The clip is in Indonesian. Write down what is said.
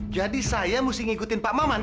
jadi saya harus mengikuti pak maman